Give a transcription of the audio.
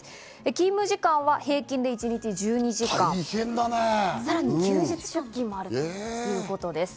勤務時間は平均で一日１２時間、さらに休日出勤もあるということです。